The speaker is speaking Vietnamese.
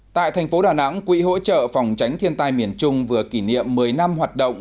tại thành phố đà nẵng quỹ hỗ trợ phòng tránh thiên tai miền trung vừa kỷ niệm một mươi năm hoạt động